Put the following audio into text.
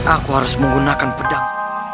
aku harus menggunakan pedang